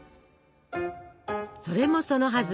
それもそのはず